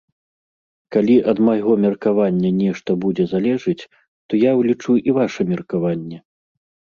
Калі ад майго меркавання нешта будзе залежыць, то я ўлічу і ваша меркаванне.